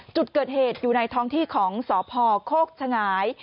จุดเกิดเหตุอยู่ในท้องที่ของสพโคกฉงาย